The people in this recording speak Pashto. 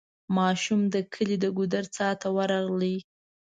ماشوم د کلي د ګودر څا ته ورغی.